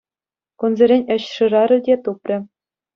Кунсерен ĕç шырарӗ те тупрӗ.